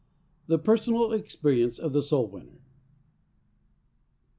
THE PERSONAL EXPERIENCE OF THE SOUL WINNER.